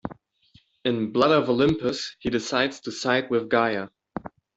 In Blood of Olympus he decides to side with Gaia.